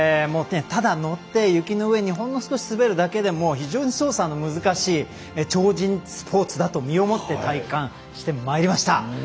ただ乗って、雪の上をほんの少し滑るだけでも非常に操作の難しい超人スポーツだと身をもって体感してまいりました。